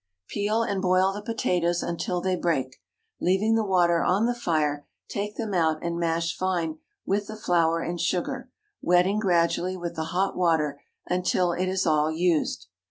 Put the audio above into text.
Peel and boil the potatoes until they break. Leaving the water on the fire, take them out and mash fine with the flour and sugar, wetting gradually with the hot water until it is all used.